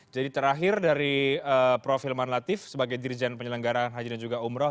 jadi terakhir dari prof hilman latif sebagai dirjen penyelenggaraan hajin dan juga umroh